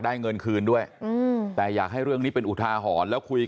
ได้เงินคืนด้วยแต่อยากให้เรื่องนี้เป็นอุทาหอนแล้วคุยกับ